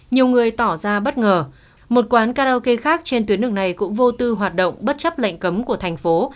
nhiều người tỏ ra bất ngờ một quán karaoke khác trên tuyến đường này cũng vô tư hoạt động bất chấp lệnh cấm của thành phố